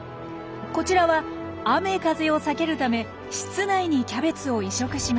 こちらは雨風を避けるため室内にキャベツを移植しました。